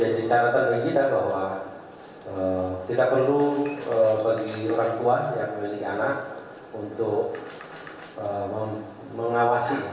jadi cara terbaik kita bahwa kita perlu bagi orang tua yang memiliki anak untuk mengawasi